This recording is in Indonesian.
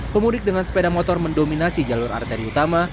pemudik dengan sepeda motor mendominasi jalur arteri utama